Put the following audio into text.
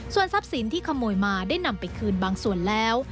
ส่วนทรัพย์สินที่ขโมยมาได้นำไปคืนบางส่วนแล้ว